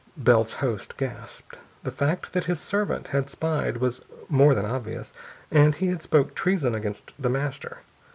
Bell's host gasped. The fact that his servant had spied was more than obvious, and he had spoke treason against The Master.